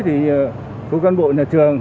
phố cán bộ nhà trường